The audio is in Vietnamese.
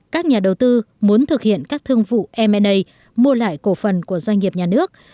các nhà đầu tư muốn thực hiện các thương vụ m a mua lại cổ phần của doanh nghiệp nhà nước